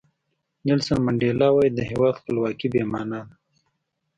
نیلسن منډیلا وایي د هیواد خپلواکي بې معنا ده.